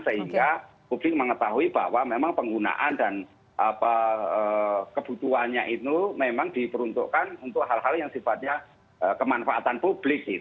sehingga publik mengetahui bahwa memang penggunaan dan kebutuhannya itu memang diperuntukkan untuk hal hal yang sifatnya kemanfaatan publik